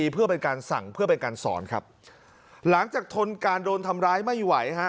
เพื่อเป็นการสั่งเพื่อเป็นการสอนครับหลังจากทนการโดนทำร้ายไม่ไหวฮะ